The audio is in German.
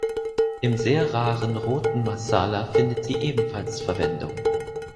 Im sehr raren roten Marsala findet sie ebenfalls Verwendung.